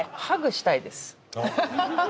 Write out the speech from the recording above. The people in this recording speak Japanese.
ハグしたいです。